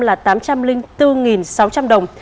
là tám trăm linh bốn sáu trăm linh đồng